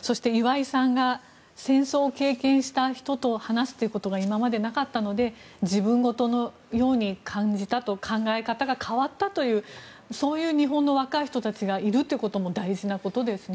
そして岩井さんが戦争を経験した人と話すということが今までなかったので自分ごとのように感じたと考え方が変わったとそういう日本の若い人たちがいることも大事なことですね。